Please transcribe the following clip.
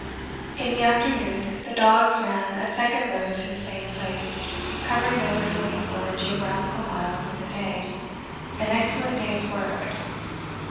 In the afternoon the dogs ran a second load to the same place covering over 24 geographical miles in the day an excellent day's work.